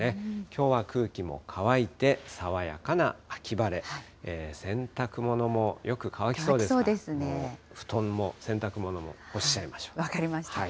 きょうは空気も乾いて、爽やかな秋晴れ、洗濯物もよく乾きそうですから、布団も洗濯物も分かりました。